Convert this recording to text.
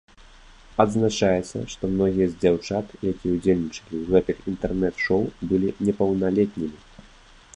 Адзначаецца, што многія з дзяўчат, якія ўдзельнічалі ў гэтых інтэрнэт-шоў, былі непаўналетнімі.